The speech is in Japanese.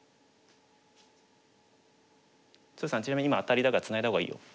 つるさんちなみに今アタリだからツナいだ方がいいよ。